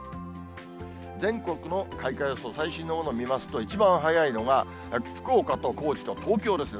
全国の開花予想、最新のものを見ますと、一番早いのが福岡と高知と東京ですね。